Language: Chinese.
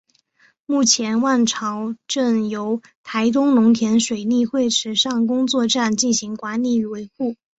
目前万朝圳由台东农田水利会池上工作站进行管理与维护。